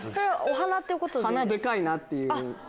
鼻でかいなっていう。